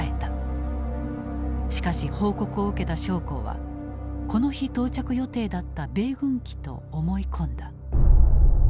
しかし報告を受けた将校はこの日到着予定だった米軍機と思い込んだ。